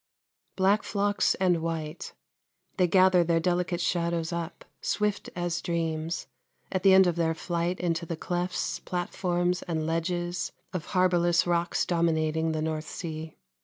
Black flocks and white they gather their delicate shadows up, "swift as dreams," at the end of their flight into the clefts, platforms, and ledges of harbourless rocks dominating the North Sea.